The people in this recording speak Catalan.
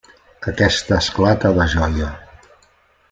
Aquesta esclata de joia.